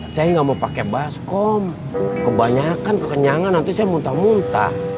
saya nggak mau pakai baskom kebanyakan kekenyangan nanti saya muntah muntah